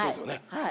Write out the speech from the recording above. はい。